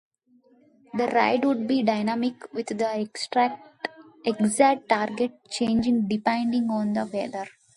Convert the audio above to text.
The raid would be dynamic with the exact target changing depending on the weather.